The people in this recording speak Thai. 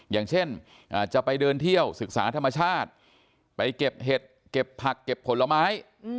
อย่างเช่นจะไปเดินเที่ยวศึกษาธรรมชาติไปเก็บเห็ดเก็บผักเก็บผลไม้